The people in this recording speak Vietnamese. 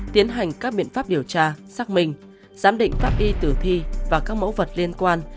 tiến hành các biện pháp điều tra xác minh giám định pháp y tử thi và các mẫu vật liên quan